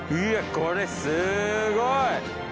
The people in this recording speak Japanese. これすごい！